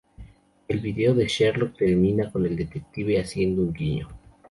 El video de Sherlock termina con el detective haciendo un guiño.